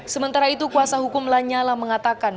sementara itu kuasa hukum lanyala mengatakan